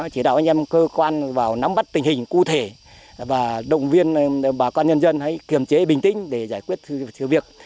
chỉ đạo anh em cơ quan vào nắm bắt tình hình cụ thể và động viên bà con nhân dân hãy kiềm chế bình tĩnh để giải quyết sự việc